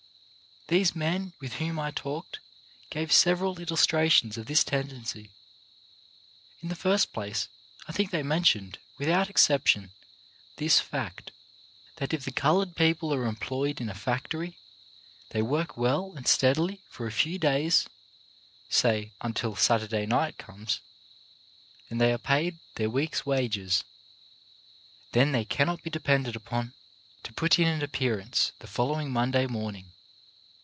These men with whom I talked gave several illustrations of this tendency. In the first place, I think they mentioned, without exception, this fact — that if the coloured people are employed in a factory, they work well and steadily for a few days, say until Saturday night comes, and they are paid their week's wages. Then they cannot be de pended upon to put in an appearance the following Monday morning.